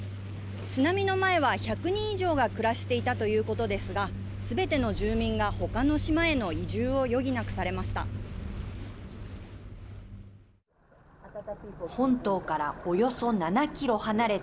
津波の前は１００人以上が暮らしていたということですがすべての住民が他の島への移住を余儀なくされました。